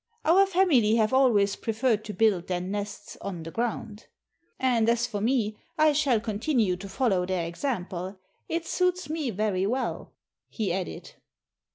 "Our family have always preferred to build their nests on the ground. And as for me, I shall continue to follow their example.... It suits me very well," he added.